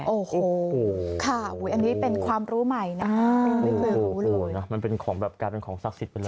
โอ้โหค่ะอุ๊ยอันนี้เป็นความรู้ใหม่นะอ่ามันเป็นของแบบการเป็นของศักดิ์สิทธิ์ไปเลย